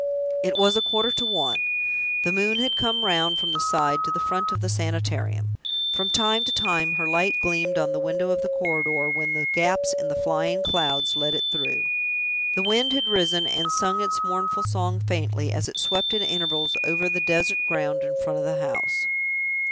It was a quarter to one. The moon had come round from the side to the front of the Sanitarium. From time to time her light gleamed on the window of the corridor when the gaps in the flying clouds let it through. The wind had risen, and sung its mournful song faintly, as it swept at intervals over the desert ground in front of the house.